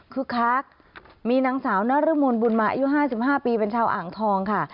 คือคักมีนางสาวนรมนบุญมาอายุ๕๕ปีเป็นชาวอ่างทองค่ะ